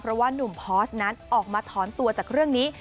เพราะว่านุ่มพอร์สนั้นออกมาถอนตัวจากเรื่องนี้